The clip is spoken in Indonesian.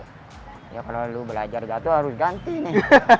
kalau kamu belajar jatuh harus ganti nih